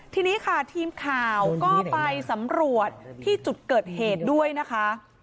ทีนี้ค่ะทีมข่าวก็ไปสำรวจที่จุดเกิดเหตุด้วยนะคะ